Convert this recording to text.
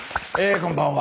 こんばんは。